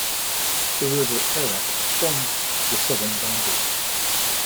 The river Arax formed the southern boundary.